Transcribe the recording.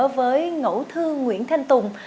với ngẫu thư nguyễn thanh tùng